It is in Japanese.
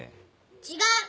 違う。